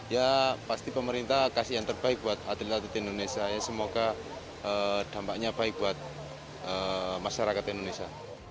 ya pasti pemerintah kasih yang terbaik buat atlet atlet indonesia semoga dampaknya baik buat masyarakat indonesia